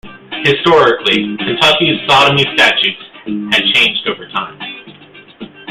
Historically, Kentucky's sodomy statutes had changed over time.